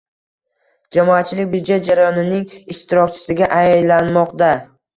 Jamoatchilik byudjet jarayonining ishtirokchisiga aylanmoqdang